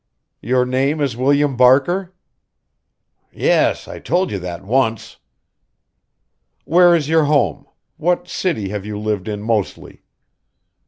Your name is William Barker?" "Yes. I told you that once." "Where is your home? What city have you lived in mostly?"